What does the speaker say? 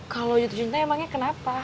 kalau jatuh cinta emangnya kenapa